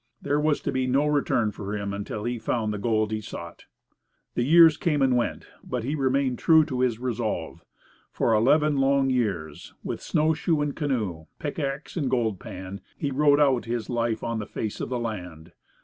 There was to be no return for him until he found the gold he sought. The years came and went, but he remained true to his resolve. For eleven long years, with snow shoe and canoe, pickaxe and gold pan, he wrote out his life on the face of the land.